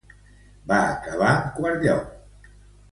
Va acabar en quart lloc.